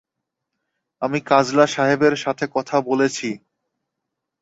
আমি কাজলা সাহেবের সাথে কথা বলেছি।